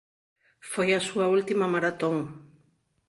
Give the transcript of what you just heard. Foi a súa última maratón.